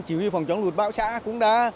chỉ huy phòng chống lụt bão xã cũng đã